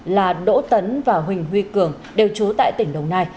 là đỗ tấn và huỳnh huy cường đều trú tại tỉnh đồng nai